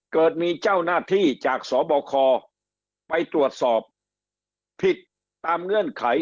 เกิดมีเจ้าหน้าที่จากสบคไปตรวจสอบผิดตามเงื่อนไข